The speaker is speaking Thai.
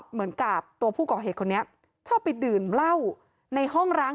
เหมือนกับตัวผู้ก่อเหตุคนนี้ชอบไปดื่มเหล้าในห้องร้าง